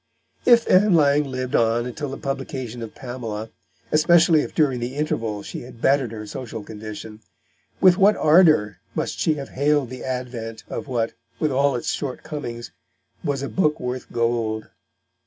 If Ann Lang lived on until the publication of Pamela especially if during the interval she had bettered her social condition with what ardour must she have hailed the advent of what, with all its shortcomings, was a book worth gold.